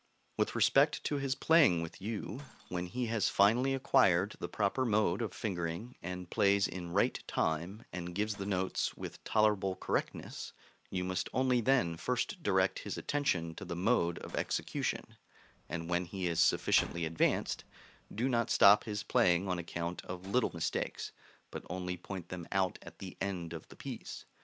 With respect to his playing with you, when he has finally acquired the proper mode of fingering, and plays in right time, and gives the notes with tolerable correctness, you must only then first direct his attention to the mode of execution; and when he is sufficiently advanced, do not stop his playing on account of little mistakes, but only point them out at the end of the piece.